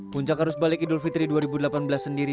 puncak arus balik idul fitri dua ribu delapan belas sendiri